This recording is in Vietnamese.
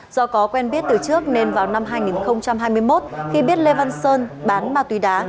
do có quen biết từ trước nên vào năm hai nghìn hai mươi một khi biết lê văn sơn bán ma túy đá